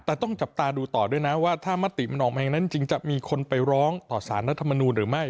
แต่ต้องจับตาดูต่อด้วยนะว่าถ้ามติมันออกมาอย่างนั้นจริงจะมีคนไปร้องต่อสารรัฐมนูลหรือไม่